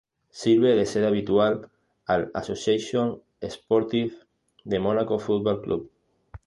Sirve de sede habitual al Association Sportive de Monaco Football Club.